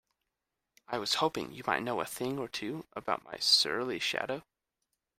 I was hoping you might know a thing or two about my surly shadow?